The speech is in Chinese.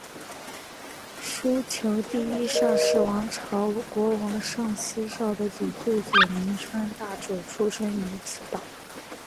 琉球第一尚氏王朝国王尚思绍的祖父佐铭川大主出生于此岛。